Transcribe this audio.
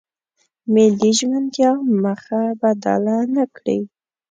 ملي ژمنتیا مخه بدله نکړي.